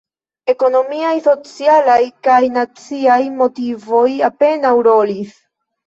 Ekonomiaj, socialaj kaj naciaj motivoj apenaŭ rolis.